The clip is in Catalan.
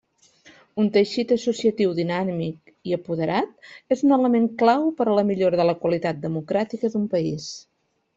Un teixit associatiu dinàmic i apoderat és un element clau per a la millora de la qualitat democràtica d'un país.